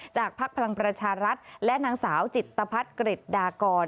ภักดิ์พลังประชารัฐและนางสาวจิตภัทรกริจดากร